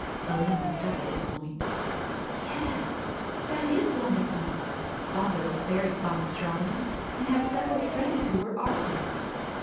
Aline looked up at this point. "Yes, that is wonderful. Father was very fond of drawing and had several friends who were artists.